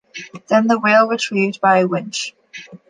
Then the whale was retrieved by a winch.